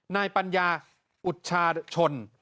นายปัญญาอุชาชน